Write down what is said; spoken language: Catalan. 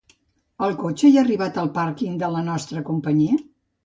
El cotxe ja ha arribat al pàrquing de la nostra companyia?